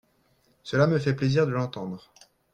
Cela me fait plaisir de l’entendre